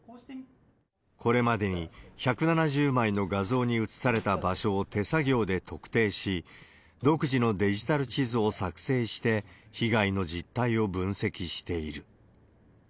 これまでに１７０枚の画像に写された場所を手作業で特定し、独自のデジタル地図を作成して、被害の実態を分析している。